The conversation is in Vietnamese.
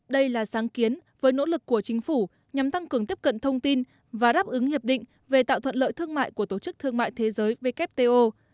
đây là sáng kiến với nỗ lực của chính phủ nhằm tăng cường tiếp cận thông tin và đáp ứng hiệp định về tạo thuận lợi thương mại của tổ chức thương mại thế giới wto